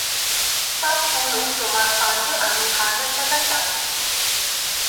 তা শোনো তোমার ফান্ডে আমি হাজার টাকা চাঁদা দেব।